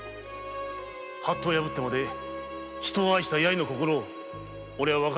法度を破ってまで人を愛した八重の心をわかりたいと思う。